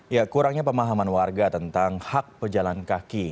ya kurangnya pemahaman warga tentang hak pejalan kaki